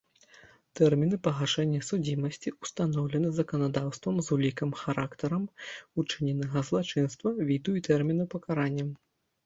Тэрміны пагашэння судзімасці ўстаноўлены заканадаўствам з улікам характарам учыненага злачынства, віду і тэрміну пакарання.